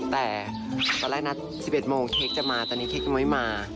แต่ตอนแรกนัด๑๑โมงเค้กจะมาตอนนี้เค้กยังไม่มา